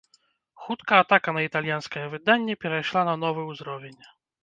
Хутка атака на італьянскае выданне перайшла на новы ўзровень.